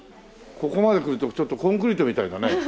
ここまで来るとちょっとコンクリートみたいだね。